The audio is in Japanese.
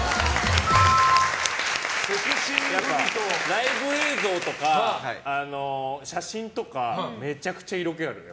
ライブ映像とか、写真とかめちゃくちゃ色気あるのよ。